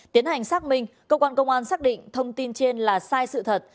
tiến hành xác minh cơ quan công an xác định thông tin trên là sai sự thật